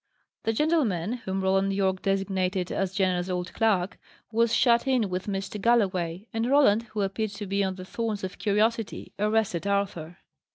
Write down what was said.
The gentleman, whom Roland Yorke designated as "Jenner's old clerk," was shut in with Mr. Galloway; and Roland, who appeared to be on the thorns of curiosity, arrested Arthur.